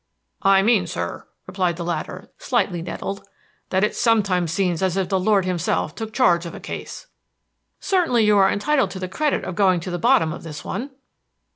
"I mean, sir," replied the latter, slightly nettled, "that it sometimes seems as if the Lord himself took charge of a case." "Certainly you are entitled to the credit of going to the bottom of this one."